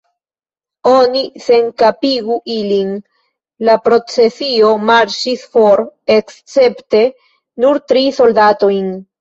"Oni senkapigu ilin!" La procesio marŝis for, escepte nur tri soldatojn.